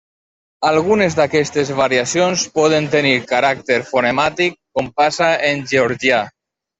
Algunes d'aquestes variacions poden tenir caràcter fonemàtic, com passa en georgià.